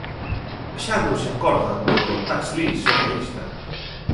Xa non se acordan do tax lease socialista.